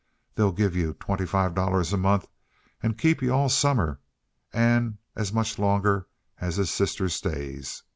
They'll give yuh twenty five dollars a month an' keep yuh all summer, an' as much longer as his sister stays.